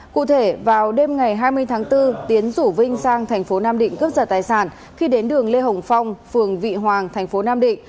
cụ thể vào đêm ngày hai mươi tháng bốn tiến rủ vinh sang tp nam định cướp giật tài sản khi đến đường lê hồng phong phường vị hoàng tp nam định